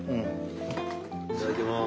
いただきます。